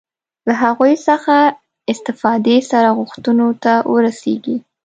له هغوی څخه استفادې سره غوښتنو ته ورسېږي.